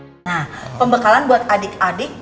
nah pembekalan buat adik adik